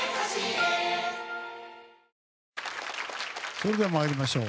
それでは参りましょう。